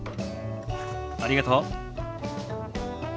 ありがとう。